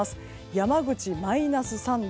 山口、マイナス３度。